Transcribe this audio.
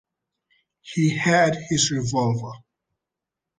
He had his revolver.